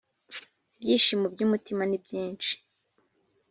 Ibyishimo by’umutima nibyinshi